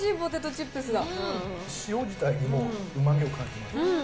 塩自体にもうまみを感じます。